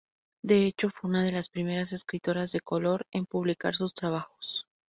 De hecho, fue una de las primeras escritoras de color en publicar sus trabajos.